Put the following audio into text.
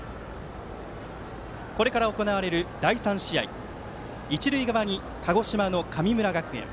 これから行われる第３試合一塁側に鹿児島、神村学園。